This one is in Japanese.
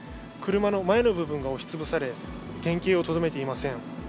車の前の部分が押しつぶされ、原形をとどめていません。